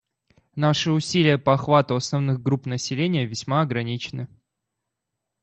Наши усилия по охвату основных групп населения весьма ограничены.